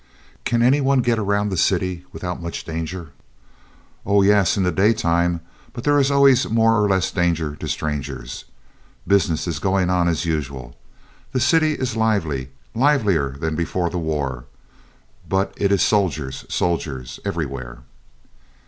Can any one get around the city without much danger?" "Oh, yes, in the daytime; but there is always more or less danger to strangers. Business is going on as usual. The city is lively, livelier than before the war; but it is soldiers—soldiers everywhere."